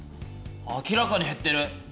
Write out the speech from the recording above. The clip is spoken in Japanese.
明らかに減ってる！